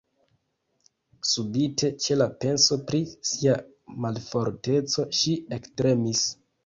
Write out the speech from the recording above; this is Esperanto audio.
Subite, ĉe la penso pri sia malforteco, ŝi ektremis.